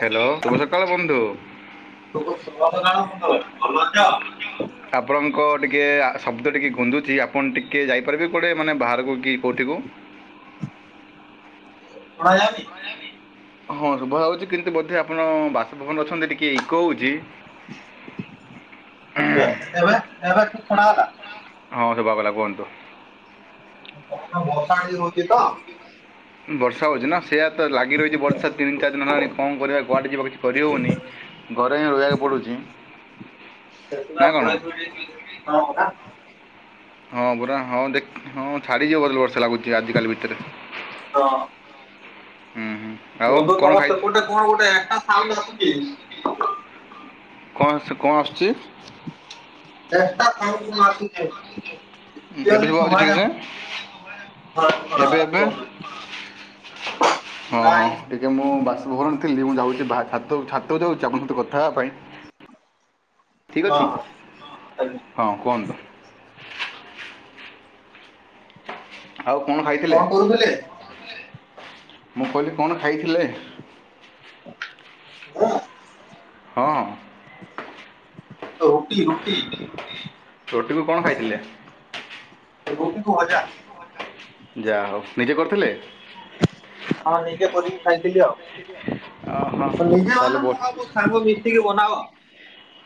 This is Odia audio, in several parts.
ହ୍ୟାଲୋ ଶୁଭସକାଳ ବନ୍ଧୁ। [inaudible] [inaudible] ଆପଣଙ୍କ ଟିକେ ଶବ୍ଦ ଟିକିଏ ଗୁନ୍ଦୁଛି ଆପଣ ଟିକିଏ ଯାଇପାରିବେ କୁଆଡ଼େ ମାନେ ବାହାରକୁ କି କୋଉଠିକୁ। [unintelligible] [inaudible] ହଁ, ଏବେ ଏବେ ଠିକ ଶୁଣା ହେଲା? ହଁ ଶୁବା ଗଲା କୁହନ୍ତୁ। କଣ ଭଶାଣି ହଉଛି ତ। [inaudible] ଲାଗି ରହିଛି ବର୍ଷା ତିନି ଚାରି ଦିନ ହେଲାଣି କଣ କରିବା କୁଆଡେ ଯିବା କିଛି କରିହେଉନି। ରହିବାକୁ ପଡୁଛି। [unintelligible] [inaudible] [inaudible] ହୁଁ ହୁଁ। ଆଉ ମଧୁ କ'ଣ ତମ ଖାଇ ସେପଟେ କଣ ଗୋଟେ ଏଟା ସାଉଣ୍ଡୁ ଆସୁଚି। କଁ ଆସୁଚି କଁ ଆସୁଚି। ଚେଷ୍ଟା ସାଉଣ୍ଡ କଣ ଆସୁଚି। ଏବେ କିଅରଲି ହେଉଛି ଶୁଭା ଠିକ୍ ସେ ଯାଉନି [unintelligible] ଗଲା ଏବେ ଏବେ କୁହନ୍ତୁ। ହଁ ହଁ ନାଇଁ ଟି ମୁଁ ବାସଭବନରେ ଥିଲି। ମୁଁ ଯାଉଛି ଭା ଛାତ ଛାତକୁ ଯାଉଛି ଆପଣଙ୍କ ସହିତ କଥା ହେବା ପାଇଁ। ଠିକ ହଁ ଅଛି ହଁ ଆଜ୍ଞା। ହଁ କୁହନ୍ତୁ। ଆଉ କଣ ଖାଇଥିଲେ। ମୁଁ କହିଲି କଣ ଖାଇଥିଲେ। [unintelligible] ହଁ ହଁ। ଓ ରୁଟି ରୁଟି। ରୁଟି କୁ କଣ ଖାଇଥିଲେ। ରୁଟି କୁ ଭଜା। ଯା ହଉ ନିଜେ କରିଥିଲେ। ହଁ ନିଜେ କରିକି ଖାଇଥିଲି ହଁ ଆଉ। ନିଜେ ତାହେଲେ ବନାଅ ବ ମୁଁ ଆଉ ମୋ ସାଙ୍ଗ ମିଶିକି ବନାଅ।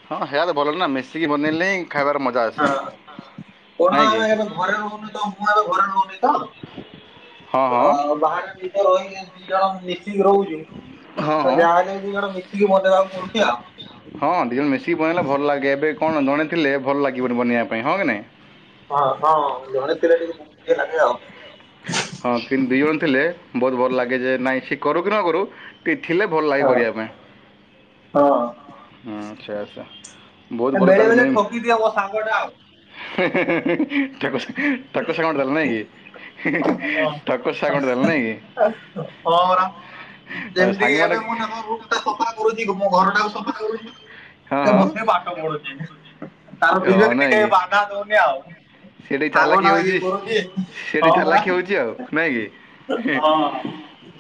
ହଁ ହେଇୟା ହେଲେ ଭଲ ନା। ମିଶିକି ବନେଇଲେ ହିଁ ଖାଇବାର ମ ହଁ କଣ ଆଉ ହେମୁ। ଘରେ ରହୁନି ତ ମୁଁ ଆଉ ଘରେ ରହୁନି ତ। ହଁ ହଁ ତ ବାହାରେ ବି ରହିକି ଦି ଜଣ ମିଶିକି ରହୁଛୁ। ହଁ ତ ହଁ ଯାହାହେଲେବି ଦି ଜଣ ମିଶିକି ବନେଇବାକୁ ପଡୁଛି ଆଉ। ହଁ ଦିଜଣ ମିଶିକି ବନେଇଲେ ଭଲ ଲାଗେ। ଏବେ କଣ ଜଣେ ଥିଲେ ଭଲ ଲାଗିବନି ବନେଇବା ପାଇଁ ହଁ କି ନାଇଁ। ହଁ ହଁ ଜଣେ ଥିଲେ ଟିକେ ବହୁତ ଇଏ ଲାଗେ ଆଉ। ହଁ କିନ୍ତୁ ଦି ଜଣ ଥିଲେ ବହୁତ ଭଲ ଲାଗେ। ଯେ ନାଇଁ ସିଏ କରୁ କି ନ କରୁ। ଟି ଥିଲେ ଭଲ ଲାଗେ ହଁ କରିବା ପାଇଁ। ହଁ ହୁଁ ସେଇଆ ସେଇଆ ବୋହୁତ ଭଲ ବେଳେ ତାହଲେ ବେଳେ ମେନ ଠକି ଦିଏ ମୋ ସାଙ୍ଗଟା ହେଁ ହେଁ ହେଁ ଠାକୁ ସେ ଠାକୁ ସାଙ୍ଗ ଦେଲା ନାଇଁ କି? ହଁ ହଁ ପରା। ଯେମିତି କି ସାଙ୍ଗମାନେ ଏବେ ମନେ କରୁ। ସଫା କରୁଛି ମୋ ଘରଟାକୁ ସଫା କରୁଛି। ହଁ ସେ ହଁ ବସିକ ପାଠ ପଢୁଛି। ତାର ହଁ ବିବେକ ନାଇଁ ଟିକେ କି ବାଧା ଦଉନି ଆଉ। ସେଠି ଚାଲାକି ସାଧନା ଇଏ କରୁଛି ହଁ ପରା। ନାକି ହିଁ ହଁ ହଁ।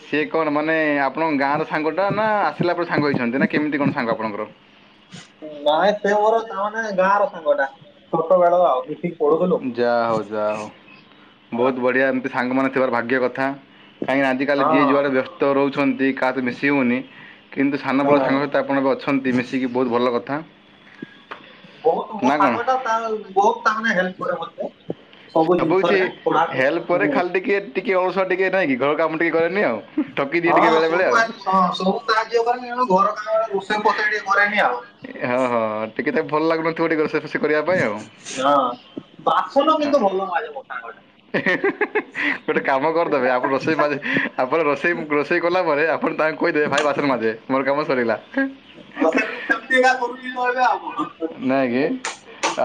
ସିଏ କଣ ମାନେ ଆପ ଆପଣଙ୍କ ଗାଁର ସାଙ୍ଗଟା ନା ଆସିଲା ପରେ ସାଙ୍ଗ ହୋଇଇଛନ୍ତି। ନା କେମିତି କଣ ସାଙ୍ଗ ଆପଣଙ୍କର। ଗାଁ ସେ ମୋର ତା ମାନେ ଗାଁ ର ସାଙ୍ଗଟା। ଛୋଟ ବେଳ ଆଉ ମିଶିକି ପଢୁଥିଲୁ। ଯାହା ହଉ ଯାହା ହଉ ହଁ ବହୁତ ବଢ଼ିଆ ଏମିତି ସାଙ୍ଗମାନେ ଥିବାର ଭାଗ୍ୟ କଥା। କାହିଁକିନା ଆଜିକାଲି ଯିଏ ଯୁଆଡେ ହଁ ବ୍ୟସ୍ତ ରହୁଛନ୍ତି। କାହା ସହିତ ମିଶି ହଉନି କିନ୍ତୁ ସାନବେଳ ସାଙ୍ଗସାଥି ତ ଆପଣ ଏବେ ଅଛନ୍ତି ମିଶିକି ବହୁତ ଭଲ କଥା। ବହୁତ ମୋ ନା କ'ଣ ସାଙ୍ଗ ଟା ତା ବହୁତ ତାମାନେ ହେଲ୍ପ କରେ ମତେ। ସବୁ କିଛି ଜିନିଷରେ ପଢାପଢି ହେଲ୍ପ କରେ। ହୁଁ ଖାଲି ଟିକେ ଟିକେ ଅଳସୁଆ ଟିକେ ନାଇଁ କି ଘର କାମ ଟିକେ କରେନି ଆଉ। ଠକି ଦିଏ ଟିକେ ବେଳେବେଳେ ସବୁ ଆଉ। ହଁ ସବୁ ସାହାଯ୍ୟ କରେ। କିନ୍ତୁ ଆମ ଘର କାମ ବେଳେ ରୋଷେଇ ଫୋଷେଇ ଟିକେ କରେନି ଆଉ। ହଁ ହଁ ଟିକେ ତାକୁ ଭଲ୍ ଲାଗୁନଥିବ ଟିକେ ରୋଷେଇ ଫୋସେଇ କରିବା ପାଇଁ ଆଉ। ହଁ। ବାସନ କିନ୍ତୁ ଭଲ ମାଜେ ମୋ ସାଙ୍ଗଟା। [unintelligible] ଗୋଟେ କାମ କରିଦେବେ ଆପଣ ରୋଷେଇ ମା ଆପଣ ରୋଷେଇ ରୋଷେଇ କଲା ପରେ ଆପଣ ତାଙ୍କୁ କହିଦେବେ ଭାଇ ବାସନ ମାଜେ ମୋର କାମ ସରିଲା। ହ ସେ ସେମିତିକା କରୁଛି ତ ଏବେ ଆଉ କଣ। ନାଇଁ କି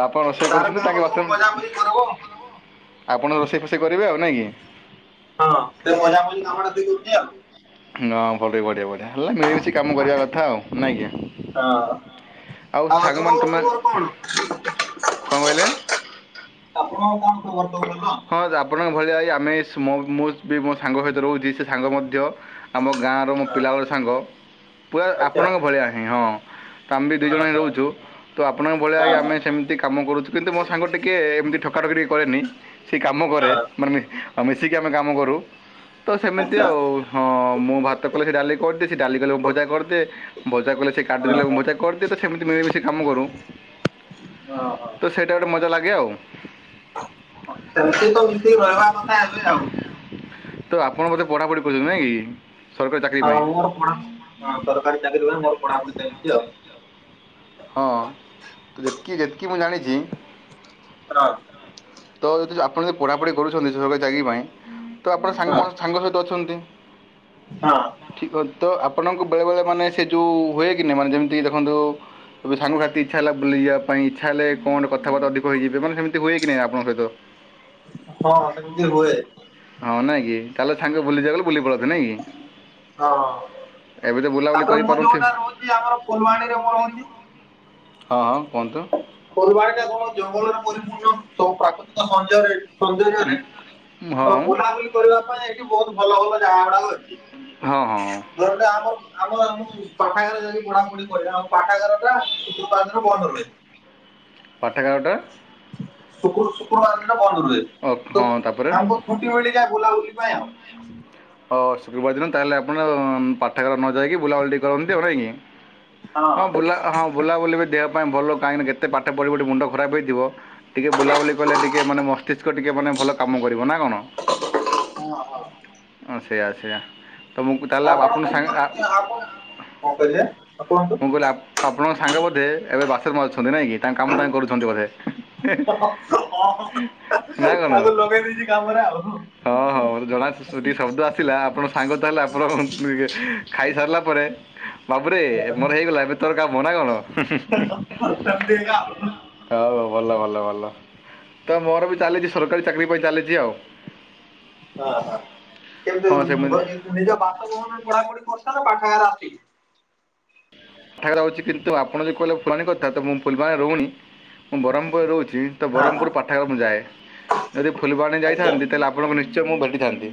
ଆପଣ ରୋଷେଇ ତାର କରୁଛନ୍ତି ତାଙ୍କେ କାମ ସବୁ ବାଥରୁମ୍ ମଜା ମଜି କରବ। ଆପଣ ରୋଷେଇ ଫୋଷେଇ କରିବେ ଆଉ ନାଇଁ କି ହଁ ସେ ମଜା ମଜି କାମ ଟା କରୁଛି ଆଉ। ହଁ ଭଲ ବି ବଢିଆ ବଢିଆ ହେଲା ମିଳିମିଶି କାମ କରିବା କଥା ଆଉ। ଆଜ୍ଞା ହଁ ଆଉ ସାଙ୍ଗ ମାନ ଆପଣଙ୍କର ତମେ ଖବର କଣ? କଣ କହିଲେ? ଆପଣଙ୍କ କଣ ଖବର ସବୁ ଭଲ? ହଁ ଆପଣଙ୍କ ଭଳିଆ ଆମେ ମୁଁ ବି ମୋ ସାଙ୍ଗ ସହିତ ରହୁଛି ସେ ସାଙ୍ଗ ମଧ୍ୟ ଆମ ଗାଁର ମୋ ପିଲାବେଳ ସାଙ୍ଗ ପୁରା ଆଚ୍ଛା ଆପଣଙ୍କ ଭଳିଆ ହିଁ ହଁ। ଆମେ ବି ଦୁଇ ହଁ ଜଣ ହିଁ ହଁ ରହୁଛୁ ତ ଆପଣଙ୍କ ଭଳିଆ ହଁ ହଁ ଆମେ ସେମିତି କାମ କରୁଛୁ। କିନ୍ତୁ ମୋ ସାଙ୍ଗ ଟିକିଏ ଏମତି ଠକାଠକି ଟିକେ କରେନି, ସେ କାମ କରେ। ହଁ ମାନେ ମିଶିକି ଆମେ କାମ କରୁ ତ ସେମିତି ଆଚ୍ଛା ଆଉ। ହଁ ମୁଁ ଭାତ କଲେ ସେ ଡାଲି କରିଦିଏ ସେ ଡାଲି କଲେ ମୁଁ ଭଜା କରିଦିଏ ଭଜା କଲେ ସେ କାଟି ହଁ ଦେଲେ ହଁ ଭଜା କରଦିଏ। [unintelligible] ତ ସେମିତି ମିଳିମିଶି କାମ କରୁ ହଁ ତ ହଁ। ସେଇଟା ଗୋଟେ ମଜା ଲାଗେ ଆଉ। ସେମତି ତ ମିଶିକି [unintelligible] କଥା ହେବେ ଆଉ। ତ ଆପଣ ବୋଧେ ପଢ଼ାପଢି କରୁଛନ୍ତି ନାଇଁ କି? ସରକାରୀ ଚାକିରି ପାଇଁ ହଁ ମୋର ପଢାପଢ଼ି ସରକାରୀ ଚାକିରି ପାଇଁ ମୋର ପଢାପଢି ଚାଲଚି ଆଉ। ହଁ [inaudible] ତ ଯେତିକି ଯେତିକି ମୁଁ ଜାଣିଛି। ର। ତ ଯଦି ଆପଣ ଯଦି ପଢ଼ାପଢ଼ି କରୁଛନ୍ତି ସରକାରୀ ଚାକିରି ପାଇଁ ତ ଆପଣ ହଁ ସାଙ୍ଗମାନ ସାଙ୍ଗ ସହିତ ଅଛନ୍ତି। ହଁ। ଠିକ୍ ଅଛି ତ ଆପଣଙ୍କୁ ବେଳେବେଳେ ମାନେ ସେ ଯୋଉ ହୁଏ କି ନାଇ ମାନେ ଯେମିତି ତେବେ ସାଙ୍ଗ ସାଥୀ ଇଚ୍ଛା ହେଲା ବୁଲିଯିବା ପାଇଁ ଇଚ୍ଛା ହେଲେ କଣ ଗୋଟେ କଥାଵାତା ଅଧିକ ହୋଇଯିବେ ମାନେ ସେମତି ହୁଏ କି ନାହିଁ ଆପଣଙ୍କ ସହିତ? [unintelligible] ହଁ ସେମତି ହୁଏ। ହଁ ନାଁ କି ତାହେଲେ ସାଙ୍ଗ ବୁଲିଯାଉ। ବୁଲି ପଳାନ୍ତି ନାଇଁ କି ହଁ। [inaudible] ଏବେ ତ ବୁଲାବୁଲି କରିପାରୁନଥିବେ। ତି ଆମର ଫୁଲବାଣୀରେ ମୁଁ ରହୁଚି। ହଁ କୁହନ୍ତୁ? ଫୁଲବାଣୀ ଟା କଣ ଜଙ୍ଗଲରେ ପରିପୂର୍ଣ୍ଣ ସବୁ ପ୍ରାକୃତିକ ସଞ୍ଚୟ ଏ ସୁନ୍ଦଯ୍ୟ ହୁଁ, ରେ ତ ହଁ ବୁଲାବୁଲି କରିବା ପାଇଁ ଏଠି ବହୁତ୍ ଭଲ ଭଲ ଜାଗା ଗୁଡାକ ଅଛି। ହଁ। ମୋର ଗୋଟେ ଆମର ଆମୁ ପାଠାଗାର ଯାଇକି ପଢାପଢି କରିବା ଆଉ ପାଠାଗାର ଟା ଶୁକ୍ରବାର ଦିନ ବନ୍ଦ ରହେ। ପାଠାଗାରଟା ଶୁକୁରୁ ଶୁକ୍ରବାର ଦିନ ବନ୍ଦ ରୁହେ। ଓ ତ ହଁ ତା'ପରେ ଆମକୁ ଛୁଟି ମିଳିଯାଏ ବୁଲାବୁଲି ପାଇଁ ଆଉ। [inaudible] ହ ଶୁକ୍ରୁବାର ଦିନ ତାହେଲେ ଆପଣ ପାଠାଗାର ନ ଯାଇକି ବୁଲାବୁଲି ଟିକେ କରନ୍ତି ଆଉ ନାକି। ହଁ ବୁଲା ହଁ ବୁଲାବୁଲି ବି ଦେହ ପାଇଁ ଭଲ କାହିଁକିନା କେତେ ପାଠ ପଢ଼ିବି ମୁଣ୍ଡ ଖରାପ ହେଇଥିବ। ଟିକେ ବୁଲାବୁଲି କଲେ ଟିକେ ମାନେ ମସ୍ତିଷ୍କ ଟିକେ ମାନେ ଭଲ କାମ କରିବ ନା କଣ? ହଁ। ହ ସେଇଆ ସେଆା ତ ମୁଁ ତାହେଲେ ଆପଣ କୋଉ ସାଙ୍ଗ ପରି ଆପଣ କଣ କହିଲେ? ଆଉ କୁହନ୍ତୁ? ମୁଁ କହିଲି ଆପଣଙ୍କ ସାଙ୍ଗ ବୋଧେ ଏବେ ବାସନ ମଜୁଛନ୍ତି ନାଇଁ କି ତାଙ୍କ କାମ ତାଙ୍କ କରୁଛନ୍ତି ବୋଧେ? [unintelligible] ହଁ ହଁ ନା କ'ଣ ତାକୁ ଲଗେଇ ଦେଇେଇଛି କାମରେ ଆଉ। ହଁ ହଁ ଜଣା ଟିକେ ଶବ୍ଦ ଆସିଲା ଆପଣ ସାଙ୍ଗ ତାହେଲେ ଆପଣ [unintelligible] ଖାଇସାରିଲା ପରେ ବାବୁରେ ମୋର ହେଇଗଲା ଏବେ ତୋର କାମ ନା କଣ, ହୁଁ ହୁଁ ହୁଁ। ସେମିତି ଏକା ହଉ ହଉ ଭଲ ଭଲ ଭଲ, ତ ମୋର ବି ଚାଲିଛି ସରକାରୀ ଚାକିରି ପାଇଁ ଚାଲିଚି ଆଉ। ଆହା କେମତି ହଁ ରହୁ ସେମିତି ଘରେ କେମତି? ନିଜ ବାସଭବନରେ ପଢାପଢି କରୁଛ ନା ପାଠାଗାର ଆସି? ପାଠାଗାର ଅଛି, କିନ୍ତୁ ଆପଣ ଯଉ କହିଲେ ଫୁଲବାଣୀ କଥା ତ ମୁଁ ଫୁଲବାଣୀ ରହୁନି। ମୁଁ ବରହମପୁରରେ ରହୁଛି ତ ହଁ ହଁ ବରହମପୁରରେ ପାଠାଗାର ମୁଁ ଯାଏ, ଯଦି ଫୁଲବାଣୀ ଆଚ୍ଛା। ଯାଇଥାନ୍ତି ତାହେଲେ ଆପଣଙ୍କୁ ନିସ୍ ଚୟ ମୁଁ ଭେଟିଥାନ୍ତି।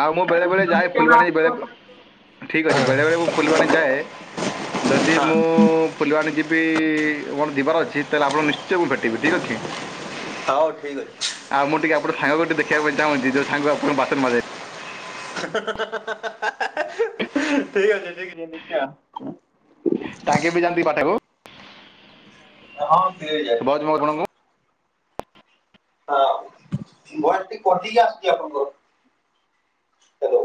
ଆଉ ମୁଁ ବେଳେବେଳେ ଯାଏ ଯଦି କେବେ ଫୁଲବାଣୀ ବେଳେ, ଆସିବ ଠିକ୍ ଅଛି ବେଳେବେଳେ ମୁଁ ଫୁଲବାଣୀ ଯାଏ, ଯଦି ହଁ ମୁଁ ମୁଁ ଫୁଲିବାଣି ଯିବି, ମୋର ଯିବାର ଅଛି ତାହେଲେ ଆପଣ ନିଶ୍ଚୟ ମୁଁ ଭେଟିବି, ଠିକ୍ ଅଛି? ହଉ ଠିକ୍ ଅଛି। ଆଉ ମୁଁ ଟିକେ ଆପଣ ସାଙ୍ଗକୁ ଟିକେ ଦେଖିଆ ପାଇଁ ଚାହୁଁଚି ଯୋଉ ସାଙ୍ଗ ଆପଣ ବାସନ ମାଜେ। ହା ହା ହା ହା ହା ହା ହା ଠିକ୍ ଅଛି ଠିକ୍ ଅଛି, ଦେଖିବା ଆଉ। ତାଙ୍କେ ବି ଜାନ୍ତି ପାଠକୁ? ହଁ ସିଏବି ଯାଏ। ବଣଙ୍ଗୁ ହଁ ଭଏସ୍‌ ଟିକେ କଟିକି ଆସୁଛି ଆପଣଙ୍କର। ହାଲୋ।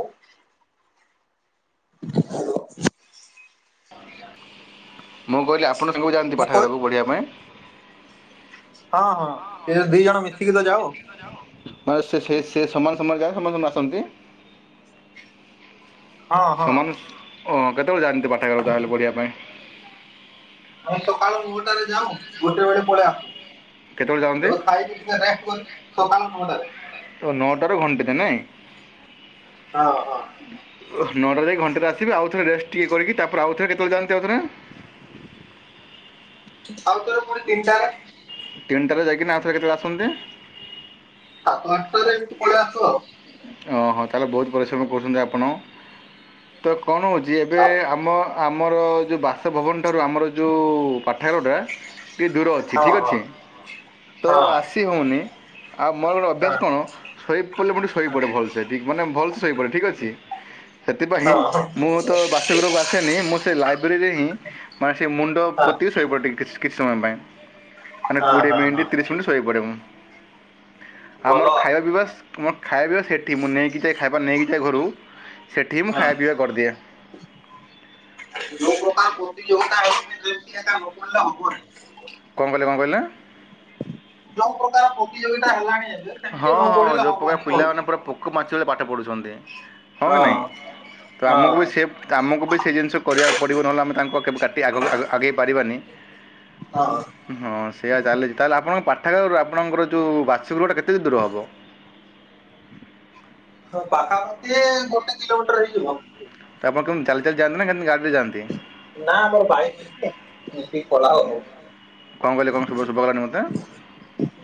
ମୁଁ କହିଲି ଆପଣ ସାଙ୍ଗକୁ ଯାଆନ୍ତି ମୁଁ କହି ପାଠଗାରକୁ ପଢ଼ିବା ପାଇଁ? ହଁ ହଁ ଏ ଦି ଜଣ ମିଶିକି ତ ଯାଉ। ମ ସେ ସେ-ସମାନ ସମୟରେ ଯାଏ ସମାନ ସମୟରେ ଆସନ୍ତି? ହଁ ହଁ। ଓଁ କେତବେଳେ ଯାଆନ୍ତି ପାଠାଗାରକୁ ତାହେଲେ ପଢ଼ିବା ପାଇଁ? ଆମେ ସକାଳ ନଅଟାରେ ଯାଉ ଗୋଟେ ବେଳେ ପଳେଇ ଆସୁ। କେତେବେଳେ ଯାଆନ୍ତି ତ ଖାାଇକି ଟିକେ ରେଷ୍ଟ କରୁ ସକାଳ ନଅଟାରେ। ତ ନଅଟାରୁ ଘଣ୍ଟାଟେ ନାଇ? ହଁ। ହଁ ନଅଟାରେ ଯାଇକି ଘଣ୍ଟାରେ ଆସିବେ ଆଉଥରେ ରେଷ୍ଟ ଟିକେ କରିକି, ତାପରେ ଆଉଥରେ କେତେବେଳେ ଯାଆନ୍ତି ଆଉଥରେ? ଆଉ ଥରେ ପୁଣି ତିନି ଚାର। ତିନଟାରେ ଯାଇକିନା ଆଉ ଥରେ କେତେବେଳେ ଆସନ୍ତେ? ସାତ ଆଠଟାରେ ଏଇଠି କି ପଳେଇ ଆସ ଆଉ। ହଁ ହଁ ତା ହେଲେ ବହୁତ ପରିଶ୍ରମ କରୁଛନ୍ତି ଆପଣ, ତ କଣ ହେଉଛି ଏବେ ହଁ ଆମ ଆମର ଯେଉଁ ବାସଭବନ ଠାରୁ ଆମର ଯେଉଁ ପାଠାଗାରଟା ଟିକଏ ଦୂର ଅଛି। ଠିକ ହଁ ଅଛି, ତ ହଁ ଆସି ଆସି ହଉନି, ଆଉ ମୋର ଗୋଟେ ହଁ ହଁ ଅଭ୍ୟାସ କଣ ଶୋଇ ପଡ଼ିଲେ ପୁଣି ଶୋଇ ପଡେ ଭଲସେ କ ମାନେ ଭଲ ସେ ଶୋଇ ପଡେ ଠିକ୍ ଅଛି। ସେଥିପାଇଁ ହଁ ହଁ ମୁଁ ତ ବାସଗୃହକୁ ଆସେନି, ମୁଁ ସେ ଲାଇବ୍ରେରୀରେ ହିଁ ମାନେ ସେ ମୁଣ୍ଡ ପୋତି ଶୋଇପଡେ ଟିକେ କିଛି ସମୟ ପାଇଁ। ମାନେ ହଁ କୋଡିଏ ହଁ ମିନିଟ୍ ହଁ ତିରିଶ ମିନିଟ୍ ଶୋଇ ପଡ଼େ ମୁଁ, ଭଲ ଆମର ଆଉ। ଖାଇବା ପିିବା ମୋର ଖାଇବା ସେଠି ମୁଁ ନେଇକି ଯାଏ ଖାଇବା ନେଇକି ଯାଏ ଘରୁ, ସେଇଠି ମୁଁ ଖାଇବା ପିଇବା କରିଦିଏ। ଯଉଁ ପ୍ରକାର ପ୍ରତିଯୋଗିତା ହୋଉଛି ବ୍ୟକ୍ତି ଏକା ନ ପଢ଼ିଲେ ହବନି। କଣ କହିଲେ କଣ କହିଲେ? ଯୋଉ ପ୍ରକାର ପ୍ରତିଯୋଗିତା ହେଲାଣି ଏବେ ହଁ ସେମିତି ନ ହଁ ପଢିଲେ ଯେଉଁ ପ୍ରକାର ହବନି ପିଲାମାନେ କହୁଛି। ପୁରା ପୋକ ମାଛି ପରିକା ପାଠ ପଢ଼ୁଛନ୍ତି। ହଁ କି ନାଇଁ, ତ ଆମକୁ ବି ସେଫ ହଁ। ତ ଆମକୁ ବି ସେ ଜିନିଷ କରିବାକୁ ପଡ଼ିବ ନହେଲେ ଆମେ ତାଙ୍କୁ କେବେ କାଟି ଆଗ ଆଗେଇ ପାରିବାନି। ହଁ। ହଁ ସେଇୟା ଚାଲିଛି ତାହେଲେ ଆପଣଙ୍କ ପାଠାଗାଁରୁ ଆପଣଙ୍କର ଯୋଉ ବାସଗୃହଟା କେତିକି ଦୂର ହବ? ହଁ ପାଖାପାଖି ଗୋଟେ କିଲୋମିଟର ହେଇଯିବ। ତ ଆପଣ କେମିତି ଚାଲି ଚାଲି ଯାନ୍ତି ନା କେମିତି ଗାଡ଼ି ରେ ଯାନ୍ତି? ନା ଆମର ଭାଇ ମିଶି ମିଶି ପଳାଉ ଆଉ [inaudible] କ'ଣ କହିଲେ କ'ଣ ଶୁଭ ଶୁଭାଗଲାନି ମୋତେ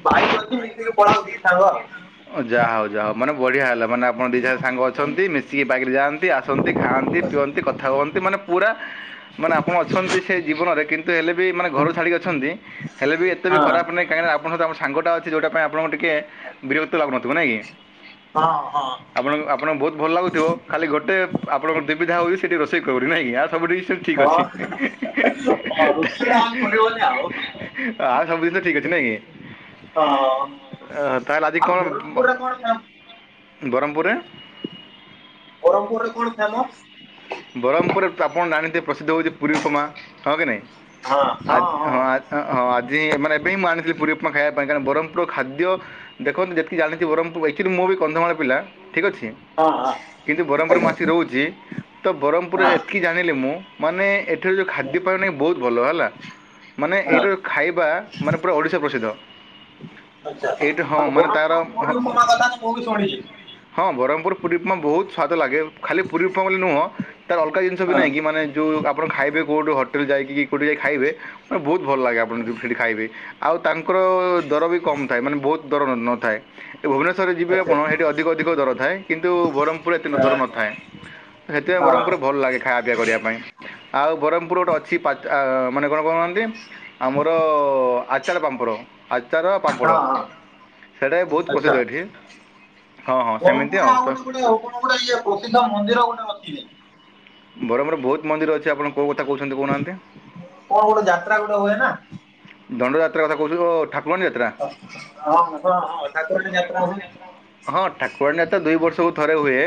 ଭାଇକ ଅଛି ମୁ [unintelligible] ପଳାଉ ଟେ ସାଙ୍ଗ ଆଉ ଯାହାହଉ ଯାହା ହଉ ମାନେ ବଢ଼ିଆ ହେଲା ମାନେ ଆପଣ ଦୁଇ ଜଣ ସାଙ୍ଗ ହଁ। ଅଛନ୍ତି ମିଶିକି ବାଇକି ରେ ଯାଆନ୍ତି ନ୍ତି ଆସନ୍ତି ଖାଆନ୍ତି ପିଅନ୍ତି କଥା କୁହନ୍ତି ମାନେ ପୁରା ମାନେ ଆପଣ ଅଛନ୍ତି ସେ ଜୀବନରେ କିନ୍ତୁ ହେଲେ ବି ମାନେ ଘର ଛାଡିକି ଅଛନ୍ତି ହେଲେ ବି ଏତେ ବି ଖରାପ ନାଇ କାହିଁକିନା ଆପଣଙ୍କ ତ ଆପଣ ସାଙ୍ଗ ଟା ଅଛି ଯୋଉଟା ପାଇଁ ଆପଣ କୁ ଟିକେ ବିରକ୍ତ ଲାଗୁନଥିବ ନାଇଁ କି? ହଁ ହଁ ଆପଣଙ୍କ ଆପଣ ବହୁତ ଭଲ ଲାଗୁଥିବ ଖାଲିଗୋଟେ ଆପଣଙ୍କର ଦିବିଧା ହଉଛି, ସେଠି ରୋଷେଇ କରିବ ବୋଲି ନିାଇଁ କି? ଆଉ ସବୁଠି ହଁ [unintelligible] ରୋଷେଇ ଆ କରିବନି ଆଉ। ଆଉ ସବୁ ଜିନିଷ ଠିକ ଅଛି ନାଇଁ କି? ହଁ। ଆ ତାହେଲେ ଆଜି ଆଉ କଣ ବ୍ରହ୍ମପୁରରେ କଣ ଫେମ ବ୍ରହ୍ମପୁରରେ? ବ୍ରହ୍ମପୁରରେ କଣ ଫେମସ? ବ୍ରହ୍ମପୁରରେ ତ ଆପଣ ଜାଣିଥିବେ ପ୍ରସିଦ୍ଧ ହେଉଛି ପୁରୀ ଉପମା ହଁ କି ନାହିଁ? ଆ ହଁ ଆ ହଁ ଆଜି ମାନେ ଏବେ ହି ମୁଁ ଆଣିଥିଲି ପୁରୀ ଉପପମା ଖାଇବା ପାଇଁ କା ବରହମପୁର୍ ର ଖାଦ୍ୟ ଦେଖନ୍ତୁ ଯେତିକି ଜାଣିଛି ବରହମପୁର ଆକଚୁଆଲି ମୁଁ ବି କନ୍ଧମାଳ ପିଲା ଠିକ ଅଛି। ହଁ ହଁ କିନ୍ତୁ ବରହମପୁର ମୁଁ ଆସିକି ଆଜ୍ଞା ରହୁଛି। ତ ବରହମପୁର ହଁ। ଏତିକି ଜାଣିଲି ମୁଁ ମାନେ ଏଚୁଲ ଯେଉଁ ଖାଦ୍ୟପାୟ ନାହି ବହୁତ ଭଲ ହେଲା। ମାନେ ହଁ ଏଇଟା ଯୋଉ ଖାଇବା ମାନେ ପୁରା ଓଡ଼ିଶା ପ୍ରସିଦ୍ଧ। ଆଛା ଏଇଠି ହଁ ଆଉ ମାନେ ତା'ର ବରମପୁର ହଁ ପୁରି ଉପମା କଥା ତ ମୁଁ ବି ଶୁଣିଲି। ହଁ ବରହମପୁର ପୁରି ଉପମା ବହୁତସ୍ୱାଦ ଲାଗେ ଖାଲି ପୁରୀପମା ପଲ୍ଲୀ ନୁହଁ ତାର ଅଲଗା ଜିନିଷ ବି ହଁ ନାହିଁ କି ମାନେ ଯୋଉ ଆପଣ ଖାଇବେ କୋଉଠୁ ହୋଟେଲ ଯାଇକି କୋଉଠି ଯାଇ ଖାଇବେ ହ ବହୁତ ଭଲ ଲାଗେ ଆପଣ ଯୋଉ ଫିଡି ଖାଇବେ ଆଉ ତାଙ୍କର ଦର ବି କମ୍ ଥାଏ ମାନେ ବହୁତ ଦର ର ନ ଥାଏ। ଭୁବନେଶ୍ୱରରେ ଯିବେ ଆଚ୍ଛା ଆପଣ ସେଇଠି ଅଧିକ ଅଧିକ ଦର ଥାଏ। କିନ୍ତୁ ବରହମପୁରରେ ଏତେ ଦର ନଥାଏ। ହଁ ସେଥିପାଇଁ ବରହମପୁର ହଁ ଭଲ ଲାଗେ ଖାଇବା ପିଇ କରିବା ପାଇଁ। ଆଉ ବରହମପୁର ଗୋଟେ ଅଛି ପଚ୍ ମାନେ କଣ କହୁନ୍ତି? ଆମର ଆଚାର ପାମ୍ପଡ। ଆଚାର, ପାମ୍ପଡ଼ ହଁ। ସେଇଟା ବି ବହୁତ ପ୍ରସିଦ୍ଧ ଏଠି। ହଁ ହଁ ସେମିତି ବ୍ରହ୍ମପୁର ଆଉ ତ ଗୋଟେ ଗୋଟେ ହଉ କଣ ଗୋଟେ ଇଏ ପ୍ରସିଦ୍ଧ ମନ୍ଦିର ଗୋଟେ ଅଛିି। ବରହମପୁର ବହୁତ ମନ୍ଦିର ଅଛି ଆପଣ କୋଉ କଥା କହୁଛନ୍ତି କହୁନାହାନ୍ତି। କଣ ଗୋଟେ ଯାତ୍ରା ଗୋଟେ ହୁଏ ନା ଦଣ୍ଡଯାତ୍ରା କଥା କହୁଛନ୍ତି ଓ ଠାକୁରାଣୀ ଯାତ୍ରା ହଁ ତ ହଁ ଠାକୁରାଣି ଯାତ୍ରା ହୋଉଛି। ହଁ ଠାକୁରାଣି ଯାତ୍ରା ତ ଦୁଇ ବର୍ଷକୁ ଥରେ ହୁଏ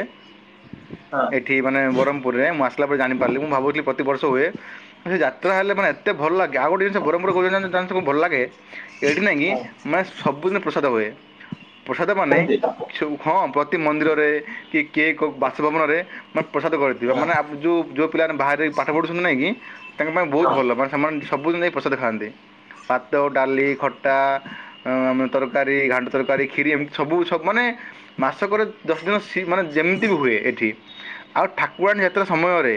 ହଁ ଏଠି ମାନେ ବରମପୁ ପୁରୁ ରେ ମୁଁ ଆସିଲା ପରେ ଜାଣି ପାରିଲି ମୁଁ ଭାବୁଥିଲି ପ୍ରତିିବର୍ଷ ହୁଏ ସେ ଯାତ୍ରା ହେଲେ ମାନେ ଏତେ ଭଲ ଲାଗେ ଆଉ ଗୋଟେ ଜିନଷ ବରମପୁର କହୁଛନ୍ତି ଜାଣିଛ ଜାଣିଛ ବହୁତ ଭଲ ଲାଗେ ଏଇଠି ନାଇଁ କି ହଁ ମାନେ ସବୁଦିନ ପ୍ରସାଦ ହୁଏ ପ୍ରସାଦମାନେ ସେମିତି ହଁ ସବୁ ହଁ ପ୍ରତି ମନ୍ଦିରରେ କି କିଏ କୋଉ ବାସଭବନରେ ମାନେ ପ୍ରସାଦ କରି ଯିବା ହଁ ମାନେ ଆବେ ଯୋଉ ଯୋଉ ପିଲାମାନେ ବାହାରେ ପାଠ ପଢୁଛନ୍ତି ନାଇଁ କି ତାଙ୍କ ପାଇଁ ବହୁତ ଭଲ। ତାପରେ ସେମାନେ ସବୁଦିନ ଯାଇ ପ୍ରସାଦ ଖାଆନ୍ତି ଭାତ ଡାଲି ଖଟା ଅ ଆମେ ତରକାରୀ ଘାଣ୍ଟ ତରକାରୀ କ୍ଷିରି ଏମିତି ସବୁ ସବ ମାନେ ମାସକରେ ଦଶ ଦିନ ସି ମାନେ ଯେମିତି ବି ହୁଏ ଏଠି ଆଉ ଠାକୁରାଣୀ ଯାତ୍ରା ସମୟରେ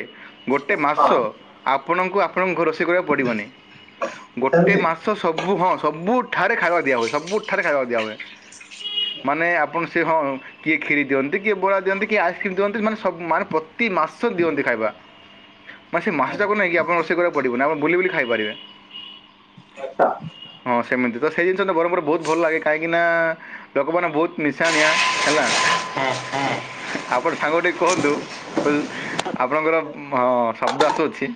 ଗୋଟେ ମାସ ହଁ ଆ ଆପଣଙ୍କୁ ଆପଣଙ୍କ ଘ ରୋଷେଇ କରିବାକୁ ପଡ଼ିବନି ଗୋଟେ ସେମିତି ମାସ ତସବୁ ହଁ ସବୁଠାରେ ଖାଇବା ଦିଆ ହୁଏ ସବୁଠାରେ ଖାଇବା ଦିଆ ହୁଏ ମାନେ ଆପଣ ସେ ହଁ କିଏ କ୍ଷୀରି ଦିଅନ୍ତି କିଏ ବୋରା ଦିଅନ୍ତି କିଏ ଆଇସ୍କ୍ରିମ୍ ଦିଅନ୍ତି ମାନେ ସବୁ ମାନେ ପ୍ରତି ମାସ ଦିଅନ୍ତି ଖାଇବା ମାନେ ସେ ମାଛ ଯାକୁ ନାଇଁ କି ଆପଣ ରୋସେଇ କରିବାରେ ପଡ଼ିବ ନା ଆପଣ ବୁଲି ବୁଲି ଖାଇପାରିବେ ଆଛା ହଁ ସେମିତି ତ ସେଇ ଜିନିଷ ତ ବରମପୁର ବହୁତ ଭଲ ଲାଗେ କାହିଁକିନା ଲୋକମାନେ ବହୁତ ନିଶାଣିଆ ହେଲା ଆପଣଙ୍କ ସାଙ୍ଗ ଟିକେ କୁହନ୍ତୁ। ଆପଣଙ୍କର ହଁ ଶବ୍ଦ ଆସୁଅଛି।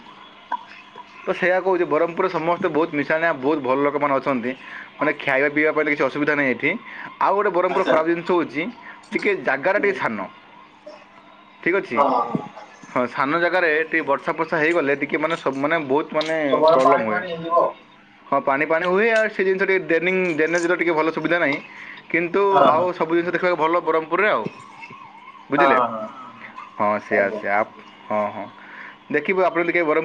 ତ ସେଇୟା କହୁଛି ବହ୍ମପୁରରେ ସମସ୍ତେ ବହୁତ ମିଶାଣିଆ ବହୁତ ଭଲ ଲୋକମାନେ ଅଛନ୍ତି। ମାନେ ଖାଇବା ପିଇବା ପାଇଁ କିଛି ଅସୁବିଧା ନାହିଁ ଏଠି ଆଉ ଗୋଟେ ବହ୍ମପୁରୁ ର ଆଚ୍ଛା ଖରାପ ଜିନିଷ ହଉଛି। ଟିକେ ଜାଗାରା ଟିକେ ସାନ ଠିକ ଅଛି। ହଁ ହଁ ସାନ ଜାଗାରେ ଟିକେ ବର୍ଷା ଫର୍ଷା ହେଇଗଲେ ଟିକେ ମାନେ ସବୁ ମାନେ ବହୁତ ମାନେ ସବୁଆଡେ ପାଣି ପ୍ରୋବ୍ଲେମ ହୁଏ। ପାଣି ହେଇଯିବ। ହଁ ପାଣି ପାଣି ହୁଏ ଆଉ ସେ ଜିନଷ ଟିକେ ଡ୍ରେନିଙ୍ଗ ଡ୍ରେନେଜ ର ଟିକେ ଭଲ ସୁବିଧା ନାହିଁ। କିନ୍ତୁ ହଁ ଆଉ ହଁ ସବୁ ଜିନିଷ ଦେଖିବାକୁ ଭଲ ବହ୍ମପୁରୁ ରେ ଆଉ। ହଁ ବୁଝିଲେ ହଁ। ହଁ ସେଇଆ ଆଜ୍ଞା। ସେଇଆ ହଁ ହଁ ଦେଖିବୁ ଆପଣ ଟିକେ ବହ୍ମ